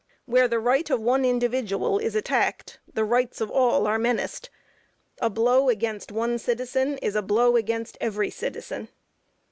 Where the right of one individual is attacked, the rights of all are menaced. A blow against one citizen, is a blow against every citizen.